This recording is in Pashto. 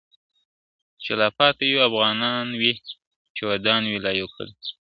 چي لا پاته یو افغان وي چي ودان وي لا یو کلی ..